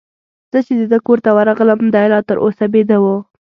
زه چي د ده کور ته ورغلم، دی لا تر اوسه بیده وو.